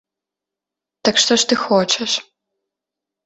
Так што ж ты хочаш?